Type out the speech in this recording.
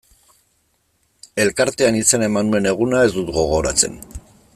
Elkartean izena eman nuen eguna ez dut gogoratzen.